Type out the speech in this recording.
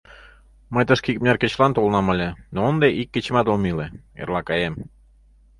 Мый тышке икмыняр кечылан толынам ыле, но ынде ик кечымат ом иле, эрла каем.